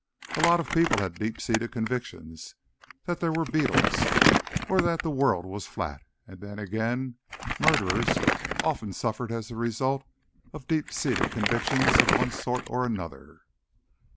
A lot of people had deep seated convictions that they were beetles, or that the world was flat And then again, murderers often suffered as a result of deep seated convictions of one sort or another.